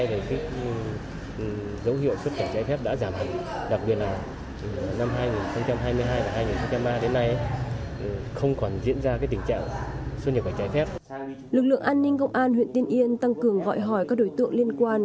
lực lượng an ninh công an huyện tiên yên tăng cường gọi hỏi các đối tượng liên quan